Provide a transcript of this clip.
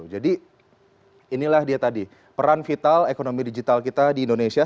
jadi inilah dia tadi peran vital ekonomi digital kita di indonesia